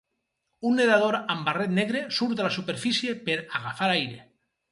Un nedador amb barret negre surt a la superfície per agafar aire.